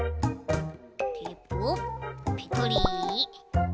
テープをペトリ。